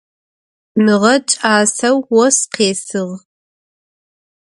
Mığe ç'aseu vos khêsığ.